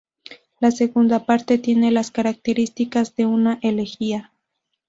La segunda parte tiene las características de una elegía.